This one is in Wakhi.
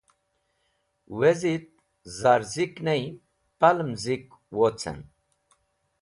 Wezit zar zik ney, palẽm zik wocẽn.